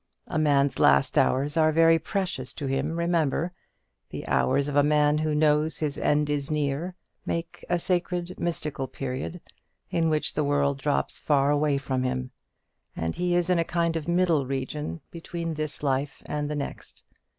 A man's last hours are very precious to him, remember; the hours of a man who knows his end is near make a sacred mystical period in which the world drops far away from him, and he is in a kind of middle region between this life and the next.